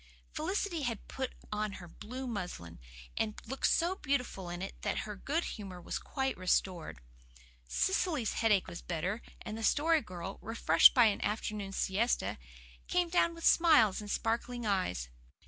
Felicity had put on her blue muslin, and looked so beautiful in it that her good humour was quite restored. Cecily's headache was better, and the Story Girl, refreshed by an afternoon siesta, came down with smiles and sparkling eyes.